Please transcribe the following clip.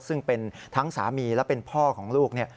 ซึ่งเป็นทั้งสามีและเป็นพ่อของลูกเนี่ย